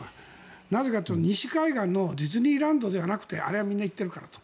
なぜかというと西海岸のディズニーランドではなくてあれはみんな行ってるからと。